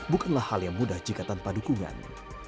bukanlah hal yang mudah jika tanpa dukungan